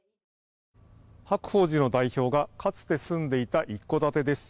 白鳳寺の代表がかつて住んでいた一戸建てです。